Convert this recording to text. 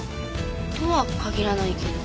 とは限らないけど。